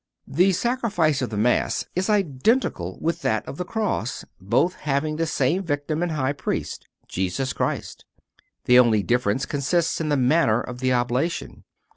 The Sacrifice of the Mass is identical with that of the cross, both having the same victim and High Priest—Jesus Christ. The only difference consists in the manner of the oblation.